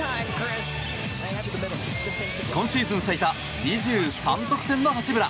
今シーズン最多２３得点の八村。